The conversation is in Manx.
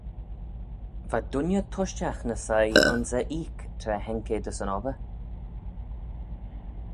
Va dooinney tushtagh ny soie ayns e oik tra haink eh dys yn obbyr.